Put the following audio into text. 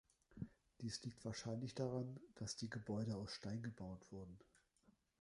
Dies liegt wahrscheinlich daran, dass die Gebäude aus Stein gebaut wurden.